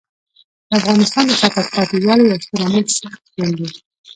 د افغانستان د شاته پاتې والي یو ستر عامل سخت ژوند دی.